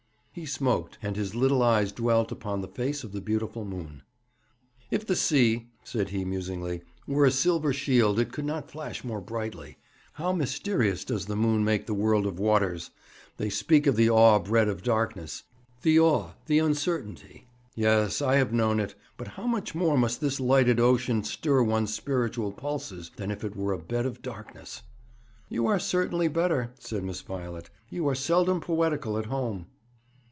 He smoked, and his little eyes dwelt upon the face of the beautiful moon. 'If the sea,' said he musingly, 'were a silver shield it could not flash more brightly. How mysterious does the moon make the world of waters! They speak of the awe bred of darkness the awe, the uncertainty yes, I have known it; but how much more must this lighted ocean stir one's spiritual pulses than if it were a bed of darkness!' 'You are certainly better,' said Miss Violet; 'you are seldom poetical at home.'